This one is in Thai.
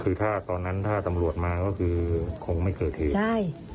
คือถ้าตอนนั้นถ้าตำรวจมาก็คือคงไม่เกิดเหตุใช่